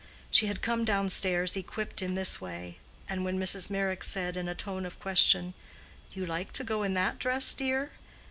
She had come down stairs equipped in this way; and when Mrs. Meyrick said, in a tone of question, "You like to go in that dress, dear?"